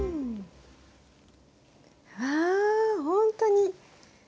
わぁほんとに。